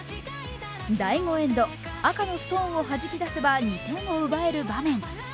第５エンド、赤のストーンをはじき出せば２点を奪える場面。